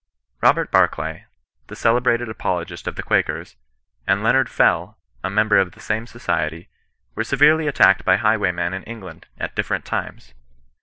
Robert Barclay, the celebrated apologist of the Quakers^ and Leonard Fell, a member of the same Society, were severally attacked by highwaymen in England, at differ ent times.